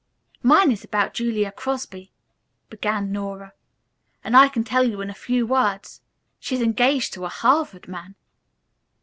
"Mine is about Julia Crosby," began Nora, "and I can tell you in few words. She's engaged to a Harvard man."